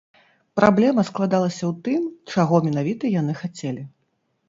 Праблема складалася ў тым, чаго менавіта яны хацелі.